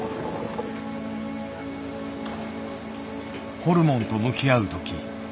ホルモンと向き合う時